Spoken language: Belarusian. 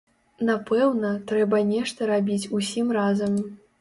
Напэўна, трэба нешта рабіць усім разам.